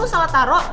lo salah taro